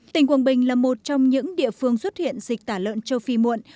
tỉnh quảng bình là một trong những địa phương xuất hiện dịch tả lợn châu phi muộn